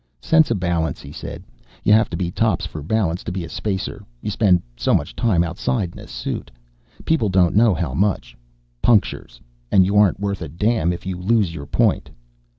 "Sense of balance," he said. "You have to be tops for balance to be a spacer you spend so much time outside in a suit. People don't know how much. Punctures. And you aren't worth a damn if you lose your point."